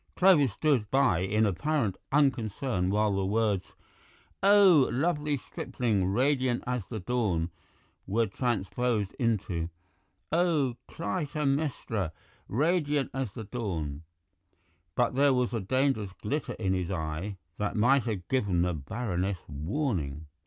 Clovis stood by in apparent unconcern while the words: "Oh, lovely stripling, radiant as the dawn," were transposed into: "Oh, Clytemnestra, radiant as the dawn," but there was a dangerous glitter in his eye that might have given the Baroness warning.